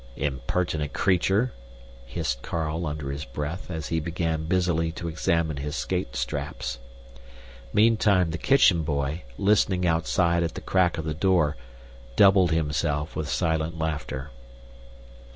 "Impertinent creature!" hissed Carl under his breath as he began busily to examine his skate straps. Meantime the kitchen boy, listening outside at the crack of the door, doubled himself with silent laughter.